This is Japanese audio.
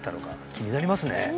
気になりますね